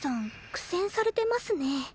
苦戦されてますね